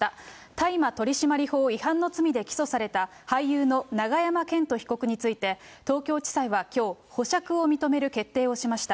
大麻取締法違反の罪で起訴された、俳優の永山絢斗被告について、東京地裁はきょう、保釈を認める決定をしました。